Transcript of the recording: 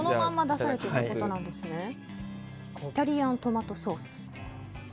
イタリアントマトソース。